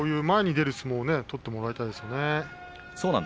前に出る相撲を取ってもらいたいですよね。